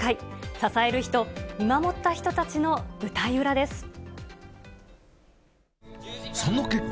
支える人、見守った人たちの舞台その結果